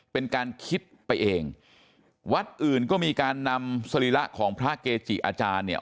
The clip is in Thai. เป็นการคิดไปเองวัดอื่นก็มีการนำสรีระของพระเกจิอาจารย์เนี่ย